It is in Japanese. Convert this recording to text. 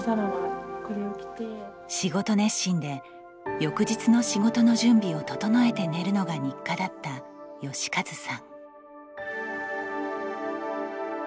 仕事熱心で翌日の仕事の準備を整えて寝るのが日課だった義和さん。